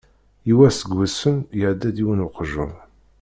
Yiwwas deg wussan, iεedda-d yiwen weqjun.